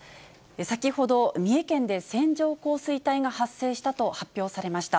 先ほど、三重県で線状降水帯が発生したと発表されました。